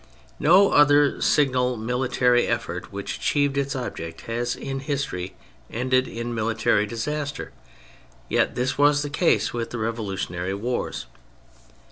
No other signal military effort which achieved its object has in history ended in military disaster — yet this was the case with the revolutionary wars.